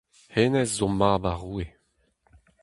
Hennezh zo mab ar roue.